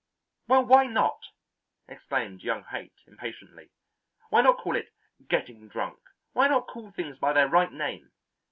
"Well, why not?" exclaimed young Haight impatiently. "Why not call it 'getting drunk?' Why not call things by their right name?